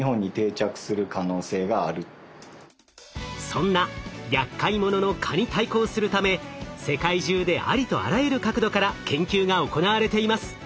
そんなやっかい者の蚊に対抗するため世界中でありとあらゆる角度から研究が行われています。